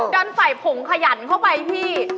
ดันใส่ผงขยันเข้าไปพี่